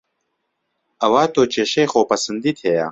ئەوا تۆ کێشەی خۆ پەسەندیت هەیە